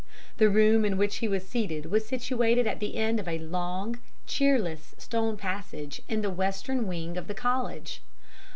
The room in which he was seated was situated at the end of a long, cheerless, stone passage in the western wing of the College.